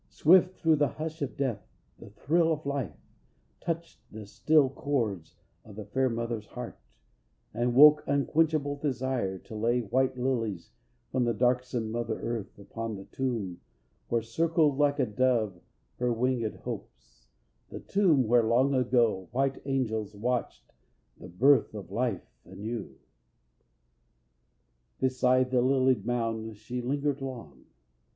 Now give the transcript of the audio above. Swift through the hush of death the thrill of life Touched the still chords of the fair mother's heart, And woke unquenchable desire to lay White lilies from the darksome mother earth Upon the tomb, where circled, like a dove, Her wingëd hopes, the tomb where long ago White angels watched the birth of Life anew. Beside the lilied mound she lingered long.